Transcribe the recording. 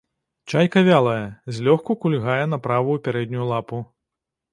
Чайка вялая, злёгку кульгае на правую пярэднюю лапу.